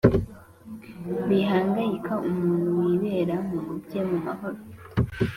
bihangayika umuntu wibera mu bye mu mahoro,